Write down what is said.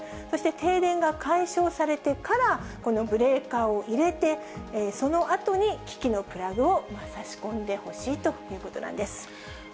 そして停電が解消されてからこのブレーカーを入れて、そのあとに、機器のプラグを差し込んでほしいということなんです。